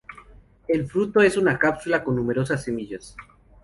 El fruto es una cápsula con numerosas semillas.